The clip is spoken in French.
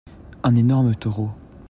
Un énorme taureau.